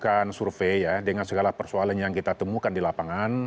kita akan survei ya dengan segala persoalan yang kita temukan di lapangan